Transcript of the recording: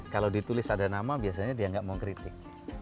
kalau ditulis ada nama biasanya dia nggak mau kritik